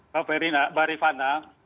pak peri mbak rifat